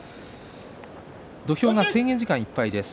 土俵が制限時間いっぱいです。